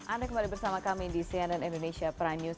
anda kembali bersama kami di cnn indonesia prime news